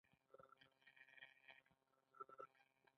چې ګواکې د هغه کرامت مو ساتلی دی.